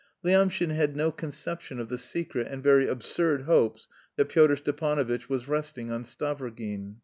(Lyamshin had no conception of the secret and very absurd hopes that Pyotr Stepanovitch was resting on Stavrogin.)